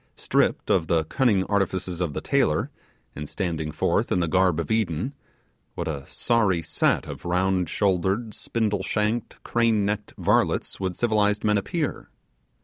Stripped of the cunning artifices of the tailor, and standing forth in the garb of Eden what a sorry, set of round shouldered, spindle shanked, crane necked varlets would civilized men appear!